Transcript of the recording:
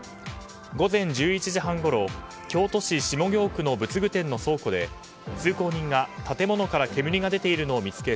午前１１時半ごろ京都市下京区の仏具店の倉庫で通行人が建物から煙が出ているのを見つけ